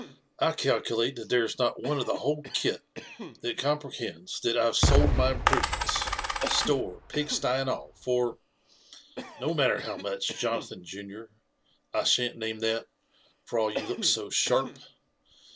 — I calculate that there is not one of the whole kit that comprehends that I have sold my improvements, store, pig sty, ci*.<I all, for no matter how much, Jonathan junior, I shan't name that, for all you look so sharp.